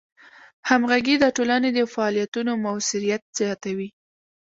همغږي د ټولنې د فعالیتونو موثریت زیاتوي.